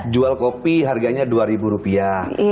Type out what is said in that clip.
jual kopi harganya dua ribu rupiah